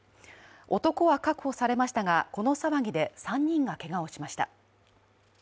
男は確保されましたが、この騒ぎで３人がけがをしました。